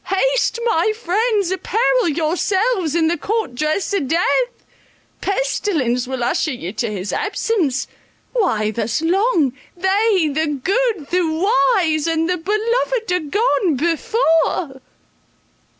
Haste, my friends, apparel yourselves in the court dress of death. Pestilence will usher you to his presence. Why thus long? they, the good, the wise, and the beloved, are gone before.